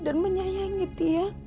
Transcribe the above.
dan menyayangi tia